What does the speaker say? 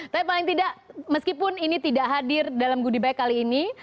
tapi paling tidak meskipun ini tidak hadir dalam goodie bag kali ini